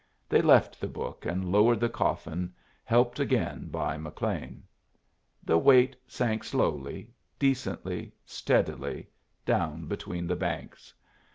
They left the book and lowered the coffin, helped again by McLean. The weight sank slowly, decently, steadily, down between the banks.